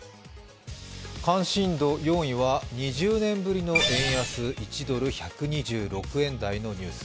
関心度４位は２０年ぶりの円安１ドル＝１２６円台のニュース。